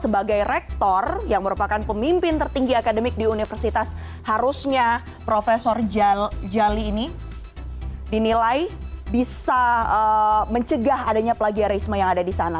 sebagai rektor yang merupakan pemimpin tertinggi akademik di universitas harusnya prof jali ini dinilai bisa mencegah adanya plagiarisme yang ada di sana